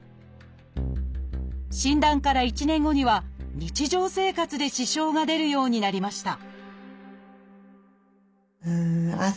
診断から１年後には日常生活で支障が出るようになりました